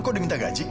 kok udah minta gaji